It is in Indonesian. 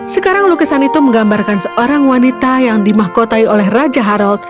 sekarang lukisan itu menggambarkan seorang wanita yang dimahkotai oleh raja harald